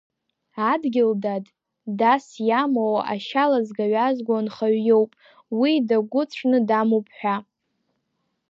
Адгьыл, дад, дас иамоу ашьа лазга-ҩазго анхаҩ иоуп, уи дагәыцәны дамоуп ҳәа.